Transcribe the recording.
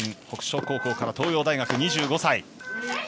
北照高校から東洋大学、２５歳。